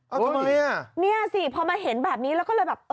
เอาทำไมอ่ะเนี่ยสิพอมาเห็นแบบนี้แล้วก็เลยแบบเออ